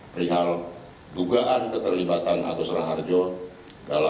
perihal dugaan keterlibatan agus raharjo dalam